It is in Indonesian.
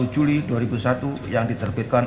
dua puluh juli dua ribu satu yang diterbitkan